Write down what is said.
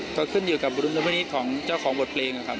ก็ขึ้นอยู่กับภูมิเท่านี้ของเจ้าของบทเพลงอะครับ